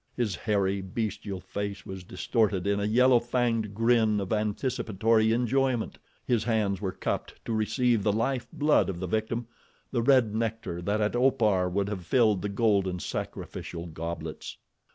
His hairy, bestial face was distorted in a yellow fanged grin of anticipatory enjoyment. His hands were cupped to receive the life blood of the victim—the red nectar that at Opar would have filled the golden sacrificial goblets.